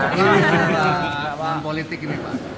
ini politik ini pak